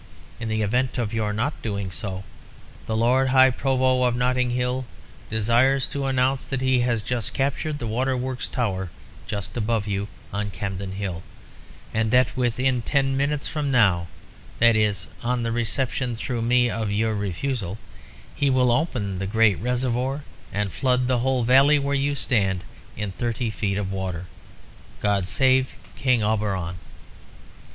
In the event of your not doing so, the Lord High Provost of Notting Hill desires to announce that he has just captured the Waterworks Tower, just above you, on Campden Hill, and that within ten minutes from now, that is, on the reception through me of your refusal, he will open the great reservoir and flood the whole valley where you stand in thirty feet of water. God save King Auberon!"